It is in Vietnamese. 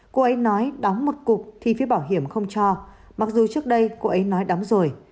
cô ấy nói đóng một cục thì phía bảo hiểm không cho mặc dù trước đây cô ấy nói đóng rồi